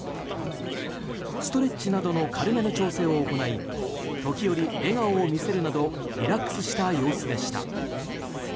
ストレッチなどの軽めの調整を行い時折、笑顔を見せるなどリラックスした様子でした。